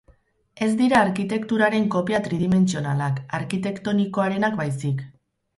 Ez dira arkitekturaren kopia tridimentsionalak, arkitektonikoarenak baizik.